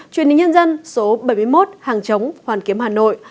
truyền hình nhân dân số bảy mươi một hàng chống hoàn kiếm hà nội